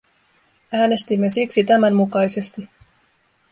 Äänestimme siksi tämän mukaisesti.